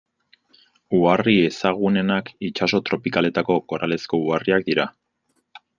Uharri ezagunenak itsaso tropikaletako koralezko uharriak dira.